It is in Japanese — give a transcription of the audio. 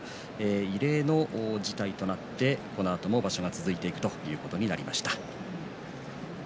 異例の事態となってこのあとも場所が続いていくということになりました。